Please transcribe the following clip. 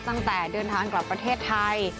ตั้งแต่เดินทางกลับประเทศไทย